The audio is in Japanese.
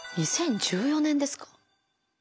２０１４年ですか。